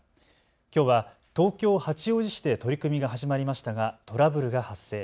きょうは東京八王子市で取り組みが始まりましたがトラブルが発生。